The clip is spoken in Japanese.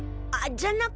じゃなく。